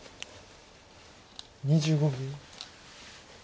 ２５秒。